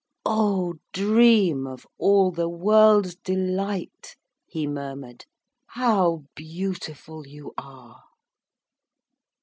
'Oh dream of all the world's delight,' he murmured, 'how beautiful you are.'